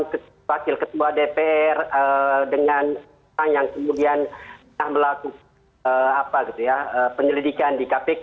jadi kalau kita melakukan kesaksian pertemuan wakil ketua dpr dengan yang kemudian melakukan penyelidikan di kpk